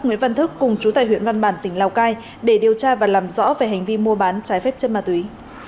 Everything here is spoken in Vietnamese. nguyễn văn thức cùng chú tài huyện văn bàn tỉnh lào cai để điều tra và làm rõ về hành vi mua bán trái phép chất ma túy